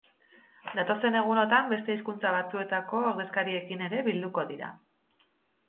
Datozen egunotan beste hizkuntza batzuetako ordezkariekin ere bilduko dira.